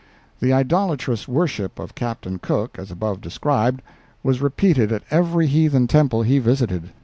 The idolatrous worship of Captain Cook, as above described, was repeated at every heathen temple he visited.